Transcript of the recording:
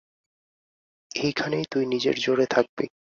এইখানেই তুই নিজের জোরে থাকবি।